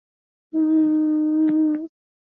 picha ya Obama akiwa na Rais Mstaafu wa Marekani